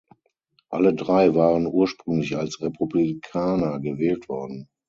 Alle drei waren ursprünglich als Republikaner gewählt worden.